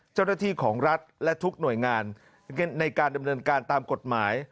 เจ้าหน้าที่ของรัฐและทุกหน่วยงานในการดำเนินการตามกฎหมาย